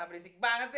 berisik banget sih